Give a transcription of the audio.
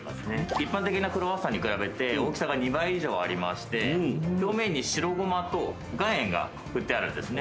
一般的なクロワッサンに比べて大きさが２倍以上ありまして表面に白ゴマと岩塩が振ってあるんですね。